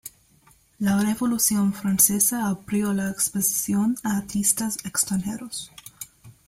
La Revolución francesa abrió la exposición a artistas extranjeros.